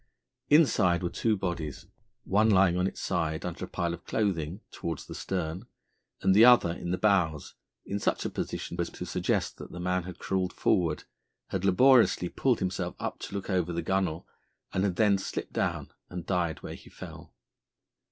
Inside were two bodies, one lying on its side, under a pile of clothing, towards the stern, and the other in the bows, in such a position as to suggest that the man had crawled forward, had laboriously pulled himself up to look over the gunwale, and had then slipped down and died where he fell.